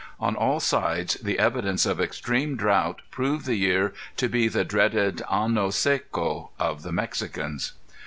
On all sides the evidences of extreme drought proved the year to be the dreaded anno seco of the Mexicans.